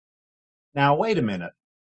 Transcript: Now wait a minute!